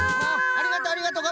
ありがとうありがとう！